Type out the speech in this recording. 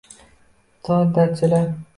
Tor darchadan…